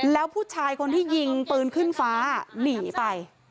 แล้วผู้ชายคนที่ยิงปืนขึ้นฟ้าหนีไป